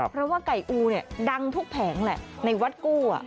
เพราะว่าไก่อูเนี่ยดังทุกแผงแหละในวัดกู้